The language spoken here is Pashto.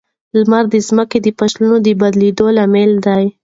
لمر د ځمکې د فصلونو د بدلېدو لامل دی.